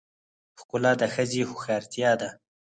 ښکلا د ښځې هوښیارتیا ده .